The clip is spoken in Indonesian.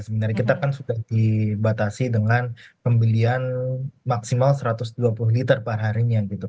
sebenarnya kita kan sudah dibatasi dengan pembelian maksimal satu ratus dua puluh liter perharinya gitu